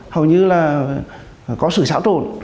hầu như có sự xáo trộn